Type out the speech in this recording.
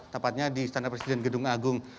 tepatnya di istana presiden gedung agung